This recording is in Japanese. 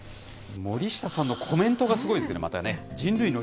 森下さんのコメントがすごいですね、またね。